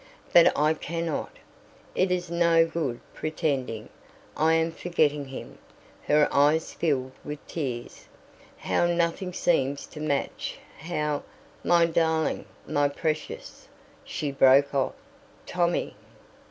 But I cannot. It is no good pretending. I am forgetting him." Her eyes filled with tears. "How nothing seems to match how, my darling, my precious " She broke off. "Tommy!"